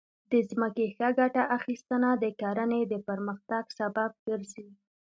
د ځمکې ښه ګټه اخیستنه د کرنې د پرمختګ سبب ګرځي.